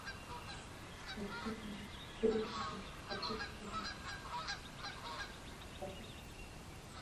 okana na kupewa baraka zote na wananchi wa taifa hilo